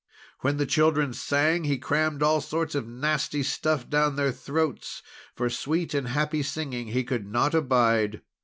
When the children sang, he crammed all sorts of nasty stuff down their throats; for sweet and happy singing he could not abide.